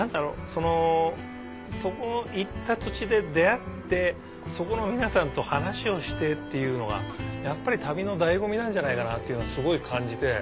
その行った土地で出会ってそこの皆さんと話をしてっていうのがやっぱり旅の醍醐味なんじゃないかなっていうのはすごい感じて。